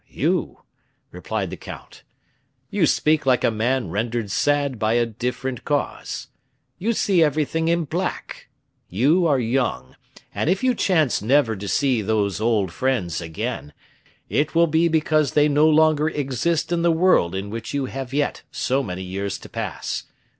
you," replied the count, "you speak like a man rendered sad by a different cause; you see everything in black; you are young, and if you chance never to see those old friends again, it will because they no longer exist in the world in which you have yet many years to pass.